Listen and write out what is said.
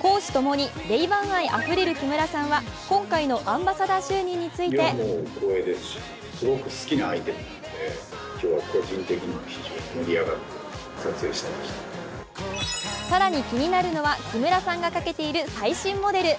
公私ともにＲａｙ−Ｂａｎ愛あふれる木村さんは、今回のアンバサダー就任について更に気になるのは木村さんがかけている最新モデル。